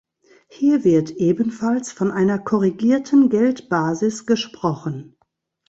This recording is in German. Hier wird ebenfalls von einer "korrigierten Geldbasis" gesprochen.